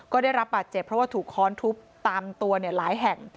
ก็ได้รับบาดเจ็บเพราะว่าถูกค้อนทุบตามตัวหลายแห่ง